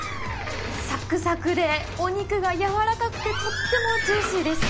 さくさくで、お肉が柔らかくて、とってもジューシーです。